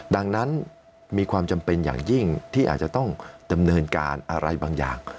ดังนั้นมีความจำเป็นอย่างยิ่งที่อาจจะต้องดำเนินการอะไรบางอย่าง